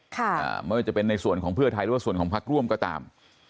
ไม่ว่าจะเป็นในส่วนของเพื่อไทยหรือว่าส่วนของพักร่วมก็ตาม